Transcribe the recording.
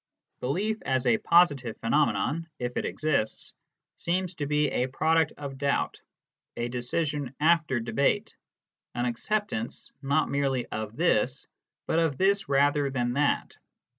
Belief as a positive phenomenon, if it exists, seems to be a product of doubt, a decision after debate, an acceptance, not merely of this, but of .this rather than that.